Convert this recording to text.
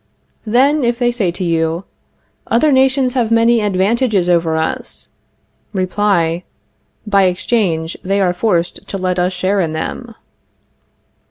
Then, if they say to you: Other nations have many advantages over us Reply: By exchange, they are forced to let us share in them.